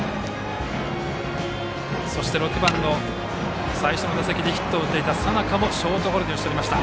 そして６番、最初の打席でヒットを打っていた佐仲もショートゴロに打ち取りました。